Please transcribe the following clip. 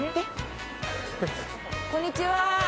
こんにちは。